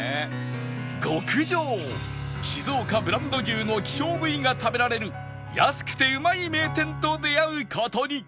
極上静岡ブランド牛の希少部位が食べられる安くてうまい名店と出会う事に